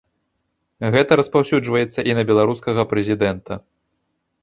Гэта распаўсюджваецца і на беларускага прэзідэнта.